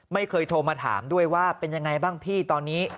ไม่เคยโทรมาถามด้วยว่าเป็นยังไงบ้างพี่ตอนนี้